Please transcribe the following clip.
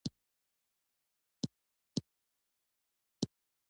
زه خپل هیواد یادوم.